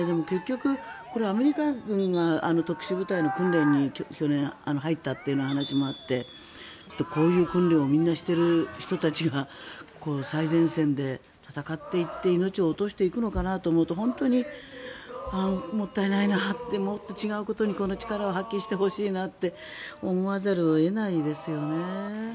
結局、これはアメリカ軍が特殊詐欺の訓練に去年入ったという話もあってこういう訓練をみんなしている人たちは最前線で戦っていって命を落としていくのかなと思うと本当にもったいないなってもっと違うことにこの力を発揮してほしいなと思わざるを得ないですよね。